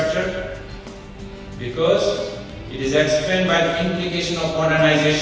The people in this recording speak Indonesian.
karena ini terdapat diperoleh oleh implikasi teoritik modernisasi